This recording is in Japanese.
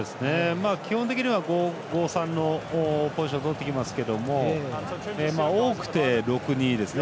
基本的には５−３のポジションをとってきますけど多くて６−２ですね。